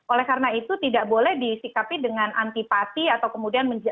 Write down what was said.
oleh karena itu tidak boleh disikapi dengan antipati atau kemudian menjelaskan